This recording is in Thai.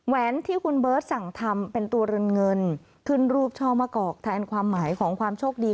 ที่คุณเบิร์ตสั่งทำเป็นตัวเรือนเงินขึ้นรูปช่อมะกอกแทนความหมายของความโชคดี